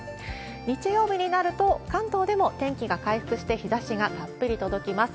日曜日になると、関東でも天気が回復して、日ざしがたっぷり届きます。